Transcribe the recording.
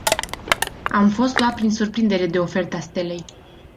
Am fost luat prin surprindere de oferta Stelei.